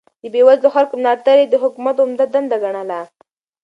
د بې وزلو خلکو ملاتړ يې د حکومت عمده دنده ګڼله.